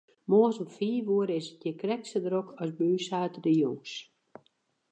Moarns om fiif oere is it hjir krekt sa drok as by ús saterdeitejûns.